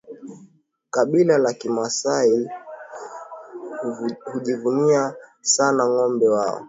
Kabila la kimasai hujivunia sana ngombe wao